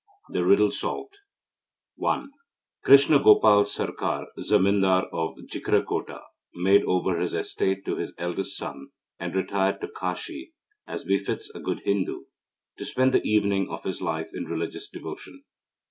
THE RIDDLE SOLVED I Krishna Gopal Sircar, zemindar of Jhikrakota, made over his estates to his eldest son, and retired to Kasi, as befits a good Hindu, to spend the evening of his life in religious devotion.